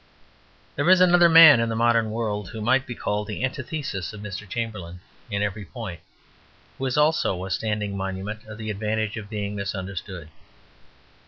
There is another man in the modern world who might be called the antithesis of Mr. Chamberlain in every point, who is also a standing monument of the advantage of being misunderstood.